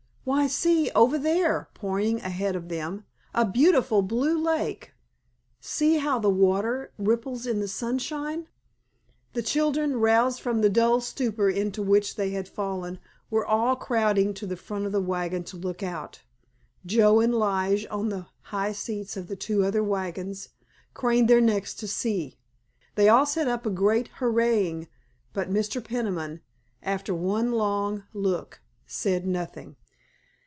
"Why, see, over there," pointing ahead of them, "a beautiful blue lake! See how the water ripples in the sunshine?" The children, roused from the dull stupor into which they had fallen, were all crowding to the front of the wagon to look out. Joe and Lige on the high seats of the two other wagons craned their necks to see. They all set up a great hurrahing, but Mr. Peniman, after one long look, said nothing.